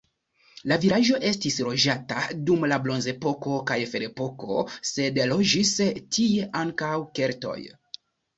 La vilaĝo estis loĝata dum la bronzepoko kaj ferepoko, sed loĝis tie ankaŭ keltoj.